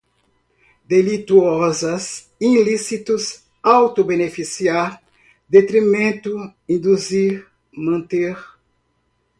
delituosa, ilícitos, auto-beneficiar, detrimento, induzir, manter